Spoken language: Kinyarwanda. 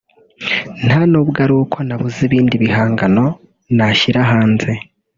nta n’ubwo ari uko nabuze ibindi bihangano nashyira hanze